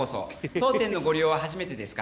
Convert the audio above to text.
当店のご利用は初めてですか？